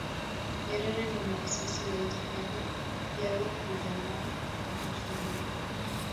nyerere ni mwasisi wa itikadi ya ujamaa na kujitegemea